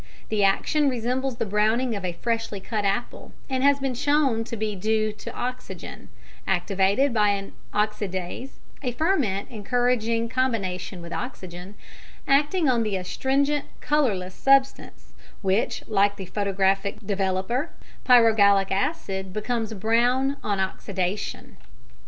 The action resembles the browning of a freshly cut apple, and has been shown to be due to oxygen (activated by an oxidase, a ferment encouraging combination with oxygen) acting on the astringent colourless substance, which, like the photographic developer, pyrogallic acid, becomes brown on oxidation.